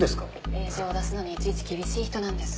令状を出すのにいちいち厳しい人なんです。